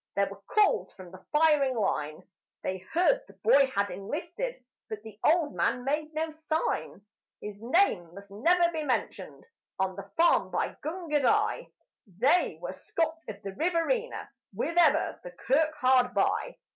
There were calls from the firing line; They heard the boy had enlisted, but the old man made no sign. His name must never be mentioned on the farm by Gundagai They were Scots of the Riverina with ever the kirk hard by.